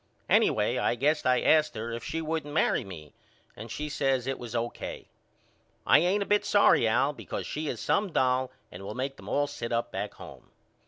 Anyway I guess I asked her if she wouldn't marry me and she says it was O.K. I ain't a bit sorry Al because she is some doll and will make them all sit up back home.